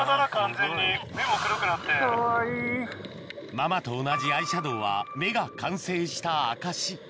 ママと同じアイシャドーは目が完成した証し